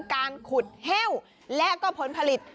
การขุดแห้วและก็ผลผลิต